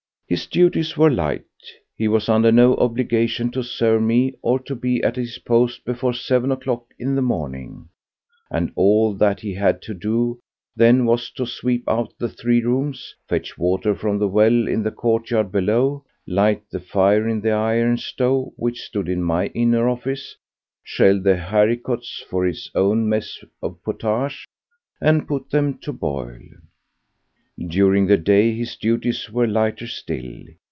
His duties were light. He was under no obligation to serve me or to be at his post before seven o'clock in the morning, and all that he had to do then was to sweep out the three rooms, fetch water from the well in the courtyard below, light the fire in the iron stove which stood in my inner office, shell the haricots for his own mess of pottage, and put them to boil. During the day his duties were lighter still.